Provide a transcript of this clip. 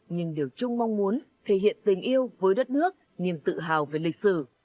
nhưng điều chung mong muốn thể hiện tình yêu với đất nước niềm tự hào về lịch sử